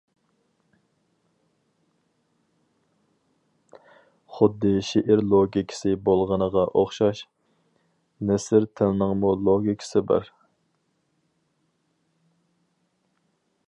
خۇددى شېئىر لوگىكىسى بولغىنىغا ئوخشاش، نەسر تىلنىڭمۇ لوگىكىسى بار.